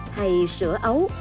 hay sữa ấu